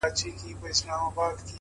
سکون د متوازن ژوند نښه ده؛